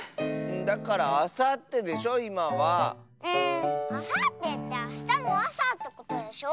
だからあさってでしょいまは。あさってってあしたのあさってことでしょ？